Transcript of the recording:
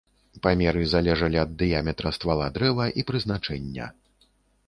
Памеры залежалі ад дыяметра ствала дрэва і прызначэння.